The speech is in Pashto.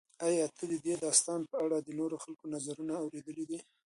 ایا ته د دې داستان په اړه د نورو خلکو نظرونه اورېدلي دي؟